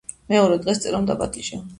მეორე დღეს წერომ დაპატიჟა